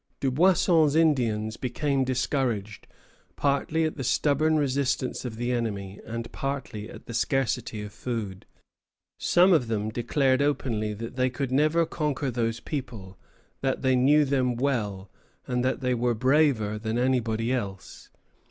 Dubuisson's Indians became discouraged, partly at the stubborn resistance of the enemy, and partly at the scarcity of food. Some of them declared openly that they could never conquer those people; that they knew them well, and that they were braver than anybody else.